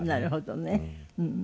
なるほどね。